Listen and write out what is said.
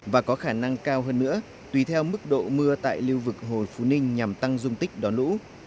và có khả năng cao hơn nữa tùy theo mức độ mưa tại lưu vực hồ phú ninh nhằm tăng dung tích đón lũ